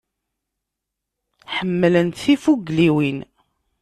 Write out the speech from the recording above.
Ḥemmlent tifugliwin.